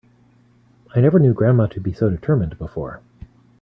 I never knew grandma to be so determined before.